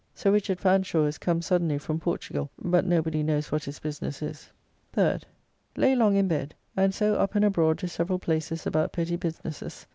Sir Richd. Fanshaw is come suddenly from Portugall, but nobody knows what his business is. 3rd. Lay long in bed, and so up and abroad to several places about petty businesses.